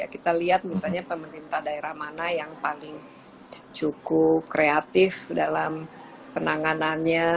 kita lihat misalnya pemerintah daerah mana yang paling cukup kreatif dalam penanganannya